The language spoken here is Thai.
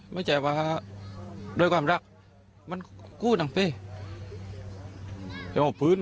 ไม่ใช่ว่าด้วยความรักแะพวกติดอื่น